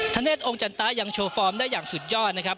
ธเนธองค์จันตะยังโชว์ฟอร์มได้อย่างสุดยอดนะครับ